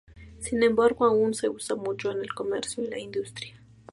Sin embargo aún se usa mucho en el comercio y la industria.